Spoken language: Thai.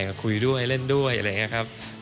ก็คุยด้วยเล่นด้วยอะไรอย่างนี้ครับ